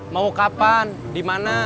mau kapan dimana